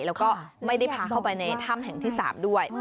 แล้วก็ไม่ได้พาเข้าไปในถ้ำแห่งที่๓ด้วย